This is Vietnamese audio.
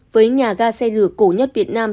với nhà ga xe lửa cổ nhất việt nam